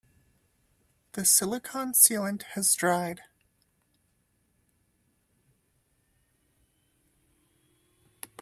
The silicon sealant has dried.